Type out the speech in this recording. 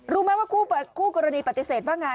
รู้ไหมว่าคู่กรณีปฏิเสธว่าไง